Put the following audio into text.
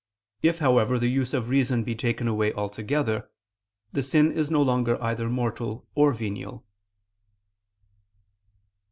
If, however, the use of reason be taken away altogether, the sin is no longer either mortal or venial.